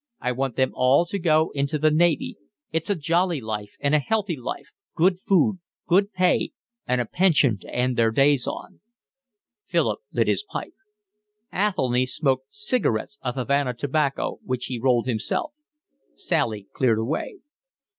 I want them all to go into the Navy; it's a jolly life and a healthy life, good food, good pay, and a pension to end their days on." Philip lit his pipe. Athelny smoked cigarettes of Havana tobacco, which he rolled himself. Sally cleared away.